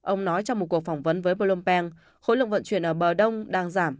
ông nói trong một cuộc phỏng vấn với bloomberg khối lượng vận chuyển ở bờ đông đang giảm